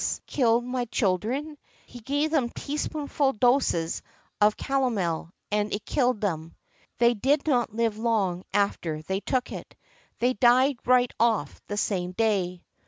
killed my children; he gave them teaspoonful doses of calomel, and it killed them. They did not live long after they took it. They died right off the same day" .